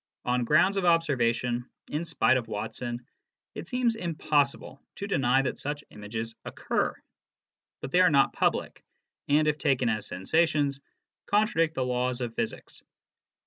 On grounds of observation, in spite of Watson, it seems impossible to deny that such images occur. But they are not public, and, if taken as sensations, contradict the laws of physics.